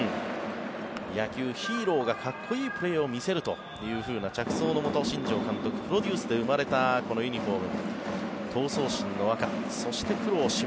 野球ヒーローがかっこいいプレーを見せるという着想のもと新庄監督プロデュースで生まれたこのユニホーム。